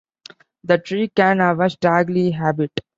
The tree can have a straggly habit.